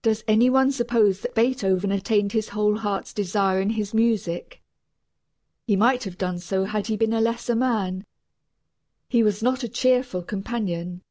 Does any one suppose that Beethoven attained his whole heart's desire in his music? He might have done so had he been a lesser man. He was not a cheerful companion.